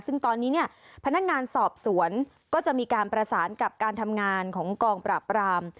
ซึ่งตอนนี้เนี่ยพนักงานสอบสวนก็จะมีการประสานกับการทำงานของกองปราบราม